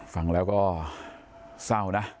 ฟังแล้วก็เศร้านะ